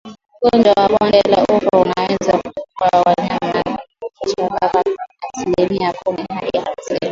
Ugonjwa wa bonde la ufa unaweza kuua wanyama wachanga mpaka asilimia kumi hadi hamsini